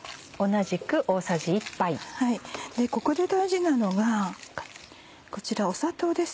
ここで大事なのがこちら砂糖です。